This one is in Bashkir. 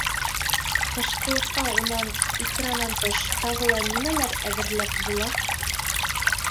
Ҡышҡылыҡҡа унан, икранан тыш, тағы ла нимәләр әҙерләп була?